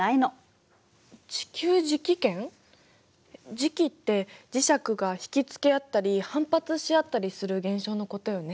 磁気って磁石が引き付け合ったり反発し合ったりする現象のことよね。